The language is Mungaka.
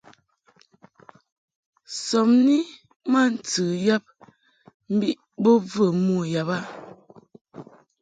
Sɔbni ma ntɨ yab mbiʼ bo və mo yab a.